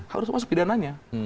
harus masuk pidananya